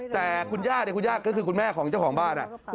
แต่คุณญาติคุณญาติก็คือคุณแม่ของเจ้าของบ้านอ่ะ